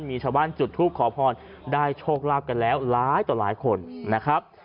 มีชาวบ้านจุดทูปขอพรได้โชคลาภกันแล้วหลายต่อหลายคนนะครับ